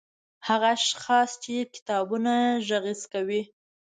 هغه اشخاص چې کتابونه غږيز کوي